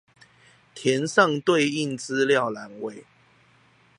填上對應資料欄位